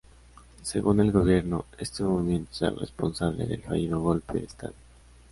Según el gobierno este movimiento es el responsable del fallido golpe de estado.